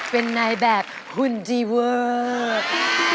เป็นนายแบบหุ่นจีเวิร์ด